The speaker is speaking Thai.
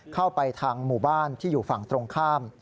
เข้าไปทางหมู่บ้านที่อยู่ฝั่งตรงข้าม